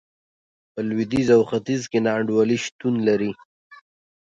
په لوېدیځ او ختیځ کې نا انډولي شتون لري.